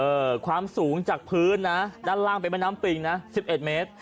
เออความสูงจากพื้นนะด้านล่างเป็นแม่น้ำปิงนะ๑๑เมตร